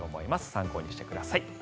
参考にしてください。